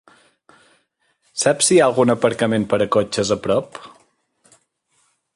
Saps si hi ha algun aparcament per a cotxes a prop?